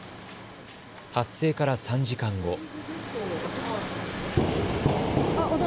発生から３時間後。